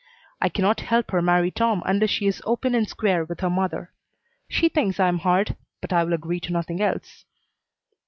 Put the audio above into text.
I cannot help her marry Tom unless she is open and square with her mother. She thinks I am hard, but I will agree to nothing else.